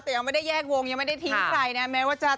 แต่ยังไม่ได้แยกวงยังไม่ได้ทิ้งใครนะแม้ว่าจะ